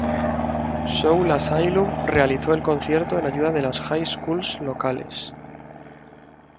Soul Asylum realizó el concierto en ayuda de las high schools locales.